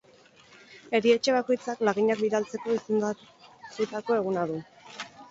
Erietxe bakoitzak laginak bidaltzeko izendatutako eguna du.